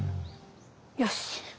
よし。